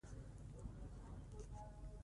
پکتيا د شملو ټاټوبی ده